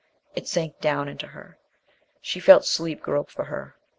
It sank down into her. She felt sleep grope for her.